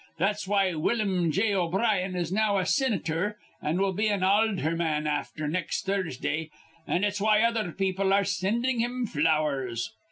That's why Willum J. O'Brien is now a sinitor an' will be an aldherman afther next Thursdah, an' it's why other people are sinding him flowers.